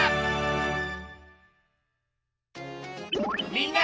みんな！